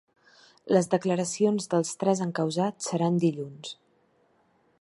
Les declaracions dels tres encausats seran dilluns.